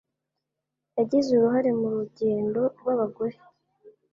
Yagize uruhare mu rugendo rw’abagore.